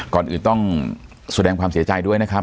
ก่อนอื่นต้องแสดงความเสียใจด้วยนะครับ